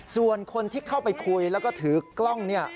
ส่วนคนที่เข้าไปคุยแล้วก็ถือกล้องเนี่ย